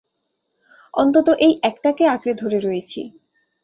অন্তত এই একটাকে আঁকড়ে ধরে রয়েছি।